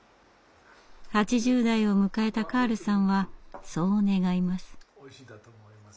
８０代を迎えたカールさんはそう願います。